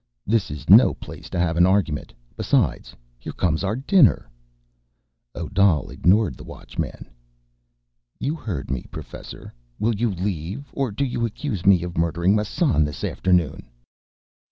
"This is no place to have an argument ... besides, here comes our dinner." Odal ignored the Watchman. "You heard me, professor. Will you leave? Or do you accuse me of murdering Massan this afternoon?"